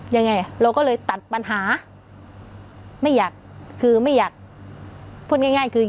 ยังไงเราก็เลยตัดปัญหาไม่อยากคือไม่อยากพูดง่ายง่ายคือ